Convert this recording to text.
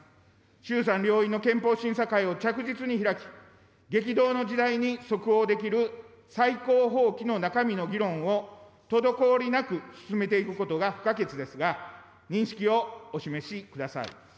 衆参両院の憲法審査会を着実に開き、激動の時代に即応できる最高法規の中身の議論を滞りなく進めていくことが不可欠ですが、認識をお示しください。